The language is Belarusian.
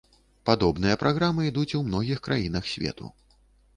Падобныя праграмы ідуць у многіх краінах свету.